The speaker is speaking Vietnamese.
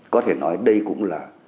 có thể nói đây cũng là